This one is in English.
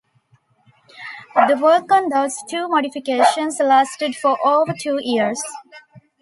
The work on those two modifications lasted for over two years.